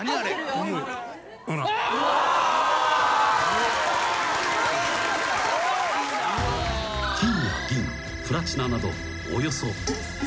［金や銀プラチナなどおよそ］